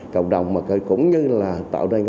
cộng đồng mà cũng như là tạo nên